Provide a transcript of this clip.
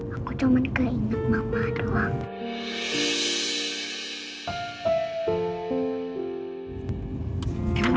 aku cuma keinget mama doang